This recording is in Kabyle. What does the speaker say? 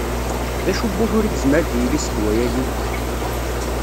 D acu n wugur i yezmer ad d-yili s ddwa-agi?